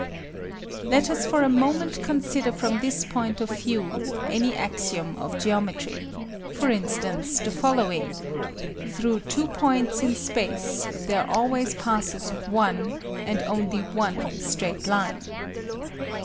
Let us for a moment consider from this point of view any axiom of geometry, for instance, the following: Through two points in space there always passes one and only one straight line.